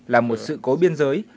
là một sự cố biên giới